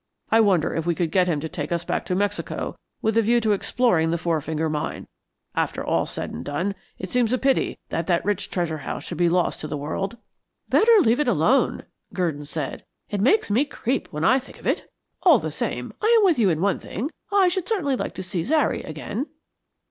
I wonder if we could get him to take us back to Mexico with a view to exploring the Four Finger Mine. After all said and done, it seems a pity that that rich treasure house should be lost to the world." "Better leave it alone," Gurdon said. "It makes me creep when I think of it. All the same, I am with you in one thing. I should certainly like to see Zary again."